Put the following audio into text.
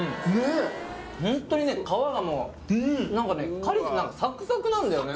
ホントにね皮がもうなんかねサクサクなんだよね